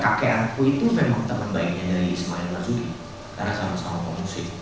kakekanku itu memang teman baiknya ismail marzuki karena sama sama pemusik